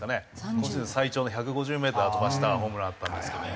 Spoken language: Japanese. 今シーズン最長の１５０メーター飛ばしたホームランあったんですけども。